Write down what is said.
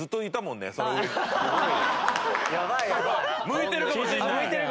向いてるかもしれない！